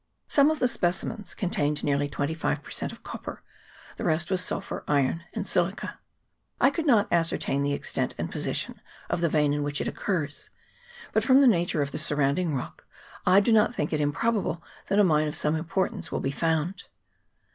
Some of the specimens contained nearly twenty five per cent, of copper, the rest was sulphur, iron, and silica. I could not ascertain the extent and position of the vein in which it occurs ; but, from the nature of the surrounding rock, I do not think it improbable that a mine of some importance will be found.